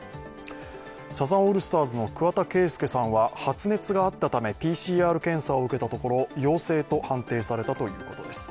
サザンオールスターズの桑田圭祐さんは発熱があったため、ＰＣＲ検査を受けたところ陽性と判定されたということです。